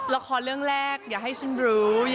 ละครเรื่องแรกอย่าให้ฉันรู้